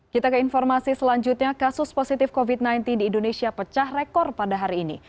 kita ke informasi selanjutnya kasus positif covid sembilan belas di indonesia pecah rekor pada hari ini